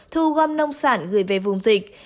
thu gom nông sản gửi về vùng dịch